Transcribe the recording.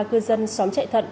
cư dân xóm chạy thận